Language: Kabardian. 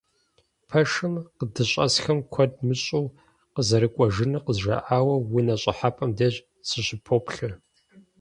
Пэшым къыдыщӀэсхэм куэд мыщӀэу къызэрыкӀуэжынур къызжаӀауэ, унэ щӀыхьэпӀэм деж сыщыпоплъэ.